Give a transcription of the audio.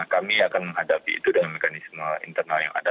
kami akan menghadapi itu dengan mekanisme internal yang ada